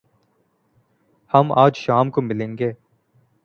ہم آج شام کو ملیں گے